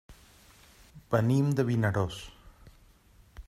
Venim de Vinaròs.